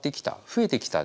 増えてきた。